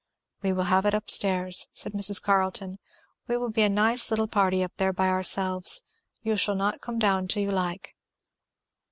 "We will have it up stairs," said Mrs. Carleton. "We will be a nice little party up there by ourselves. You shall not come down till you like."